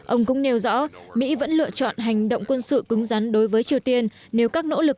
ông cũng nêu rõ mỹ vẫn lựa chọn hành động quân sự cứng rắn đối với triều tiên nếu các nỗ lực